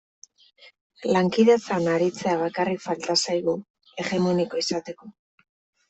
Lankidetzan aritzea bakarrik falta zaigu hegemoniko izateko.